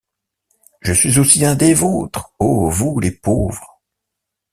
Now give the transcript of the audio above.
Je suis aussi un des vôtres, ô vous les pauvres!